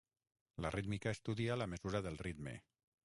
La rítmica estudia la mesura del ritme.